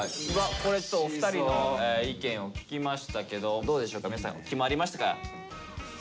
お二人の意見を聞きましたけどどうでしょうか皆さん決まりましたか？